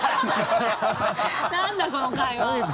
なんだこの会話。